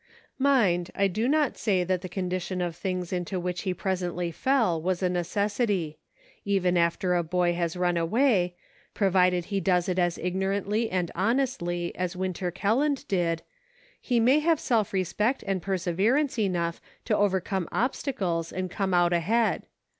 Mind, I do not say that the condition of things into which he presently fell, was a necessity ; even after a boy has run away, provided he does it as ignorantly and honestly as Winter Kelland did, he may have self respect and perseverance enough to overcome obstacles and come out ahead.